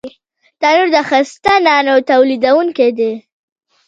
تنور د ښایسته نانو تولیدوونکی دی